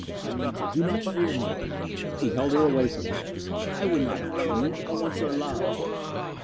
"Anita, do not fear me." He held her away from him. "I would not harm you. I want your love."